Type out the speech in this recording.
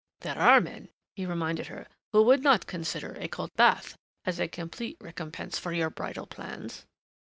"There are men," he reminded her, "who would not consider a cold bath as a complete recompense for your bridal plans."